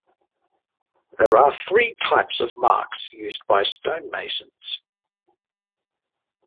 There are three types of marks used by stonemasons.